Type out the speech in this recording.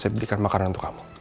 saya berikan makanan untuk kamu